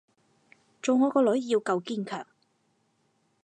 做我個女要夠堅強